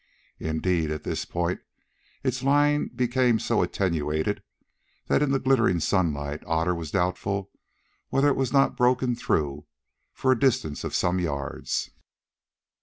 Indeed, at this point its line became so attenuated that in the glittering sunlight Otter was doubtful whether it was not broken through for a distance of some yards.